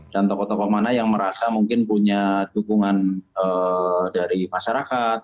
dan tokoh tokoh mana yang merasa mungkin punya dukungan dari masyarakat